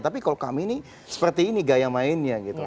tapi kalau kami ini seperti ini gaya mainnya gitu